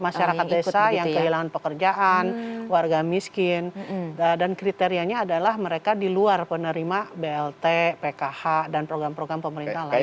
masyarakat desa yang kehilangan pekerjaan warga miskin dan kriterianya adalah mereka di luar penerima blt pkh dan program program pemerintah lainnya